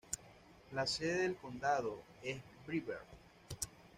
La sede del condado es Brevard.